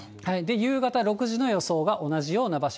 夕方６時の予想が同じような場所。